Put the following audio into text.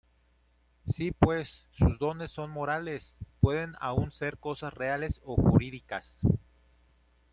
Sí, pues sus dones son morales, pueden aún ser cosas reales o jurídicas.